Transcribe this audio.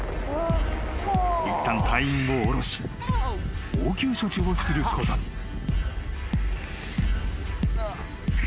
［いったん隊員を降ろし応急処置をすることに］